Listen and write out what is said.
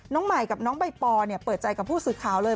ใหม่กับน้องใบปอเปิดใจกับผู้สื่อข่าวเลย